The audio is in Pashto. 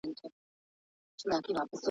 زه پرون د کتابتون د کار مرسته وکړه؟